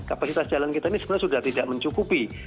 kapasitas jalan kita ini sebenarnya sudah tidak mencukupi